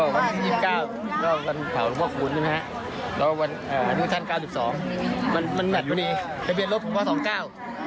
การ๙๒มันเหมือนกันดีในเวียนลบพอสองเก้า